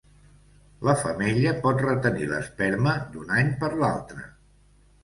La femella pot retenir l'esperma d'un any per l'altre.